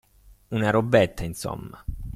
Una robetta, insomma.